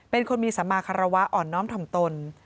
เป็นคนมีสมาคารวะอ่อนน้อมถ่อมตน